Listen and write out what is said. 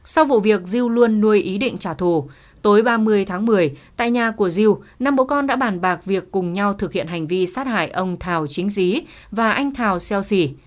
sau vụ việc diêu luôn nuôi ý định trả thù tối ba mươi tháng một mươi tại nhà của diêu năm bố con đã bàn bạc việc cùng nhau thực hiện hành vi sát hại ông thảo chính dí và anh thào xeo sì